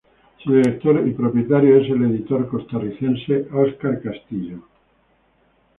Su director y propietario es el editor costarricense Oscar Castillo.